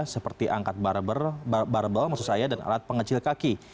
seperti angkat barbel dan alat pengecil kaki